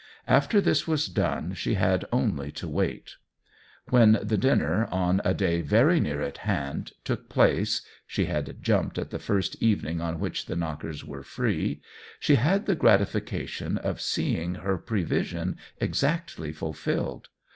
After this was done she had only to wait. When THE WHEEL OF TIME 19 the dinner, on a day very near at hand, took place (she had jumped at the first evening on which the Knockers were free) she had the gratification of seeing her pre vision exactly fulfilled.